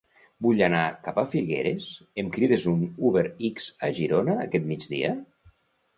Vull anar cap a Figueres, em crides un UberX a Girona aquest migdia?